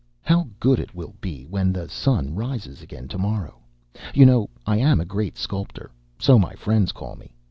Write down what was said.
"How good it will be when the sun rises again to morrow... You know I am a great sculptor... so my friends call me.